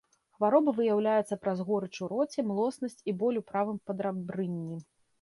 Хвароба выяўляецца праз горыч у роце, млоснасць і боль у правым падрабрынні.